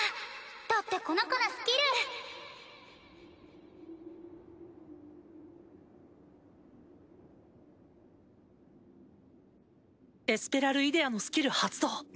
だってこの子のスキルエスペラルイデアのスキル発動！